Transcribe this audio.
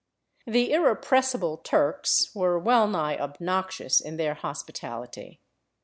The irrepressible *' Turks " were wellnigh obnoxious in their hos pitality.